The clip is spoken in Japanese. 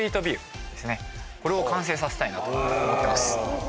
これを完成させたいなと思ってます。